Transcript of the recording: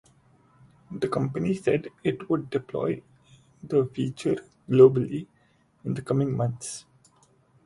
The company said it would deploy the feature globally in the coming months.